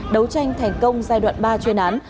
đấu tranh thành công giai đoạn ba chuyên án